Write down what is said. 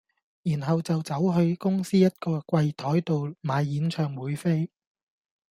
然後就走去公司一個櫃檯度買演唱會飛